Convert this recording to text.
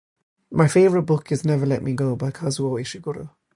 "My favorite book is ""Never Let Me Go"" by Kazuo Ishiguro."